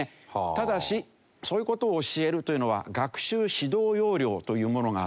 ただしそういう事を教えるというのは学習指導要領というものがあって。